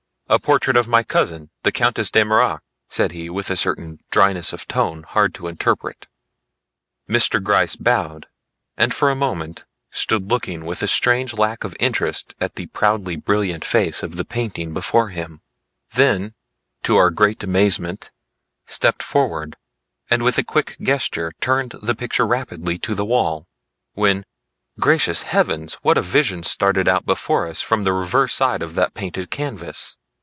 "A portrait of my cousin the Countess De Mirac," said he with a certain dryness of tone hard to interpret. Mr. Gryce bowed and for a moment stood looking with a strange lack of interest at the proudly brilliant face of the painting before him, then to our great amazement stepped forward and with a quick gesture turned the picture rapidly to the wall, when Gracious heavens! what a vision started out before us from the reverse side of that painted canvas!